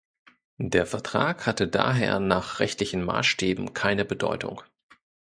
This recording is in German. Der Vertrag hatte daher nach rechtlichen Maßstäben keine Bedeutung.